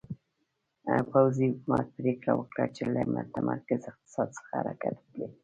پوځي حکومت پرېکړه وکړه چې له متمرکز اقتصاد څخه حرکت وکړي.